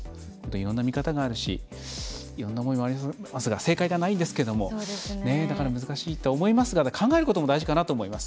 いろんな見方があるしいろんな思いもあると思いますが正解はないんですけれども難しいとは思いますが考えることも大事かなと思います。